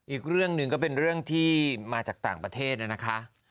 อีกเรื่องหนึ่งก็เป็นเรื่องที่มาจากต่างประเทศนะคะ